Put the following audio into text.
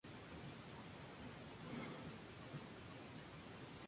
Tuvo una formación autodidacta, que incluyó el conocimiento de varios idiomas.